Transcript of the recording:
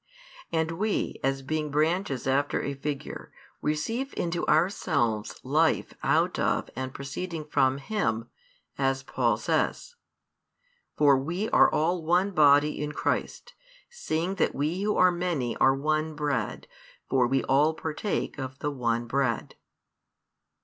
And we, as being branches after a figure, receive into ourselves life out of and proceeding from Him, as Paul says: For we are all one body in Christ, seeing that we who are many are one bread: for we all partake of the one bread.